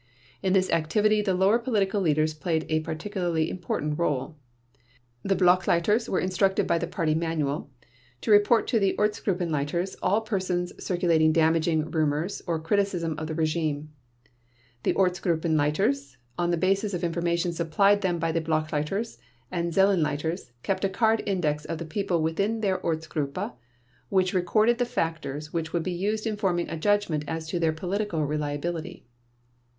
In this activity the lower Political Leaders played a particularly important role. The Blockleiters were instructed by the Party Manual to report to the Ortsgruppenleiters all persons circulating damaging rumors or criticism of the regime. The Ortsgruppenleiters, on the basis of information supplied them by the Blockleiters and Zellenleiters, kept a card index of the people within their Ortsgruppe which recorded the factors which would be used in forming a judgment as to their political reliability.